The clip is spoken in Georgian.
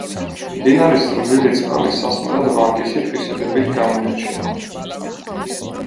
მდინარის რბილი წყალი სასმელად ვარგისი თვისებებით გამოირჩევა.